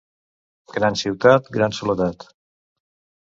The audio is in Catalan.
Gran ciutat, gran soledat.